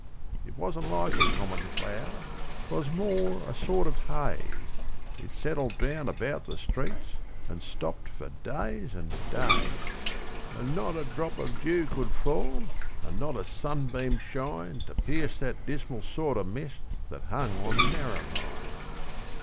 'It wasn't like a common cloud, 'twas more a sort of haze; It settled down about the streets, and stopped for days and days, And not a drop of dew could fall and not a sunbeam shine To pierce that dismal sort of mist that hung on Narromine.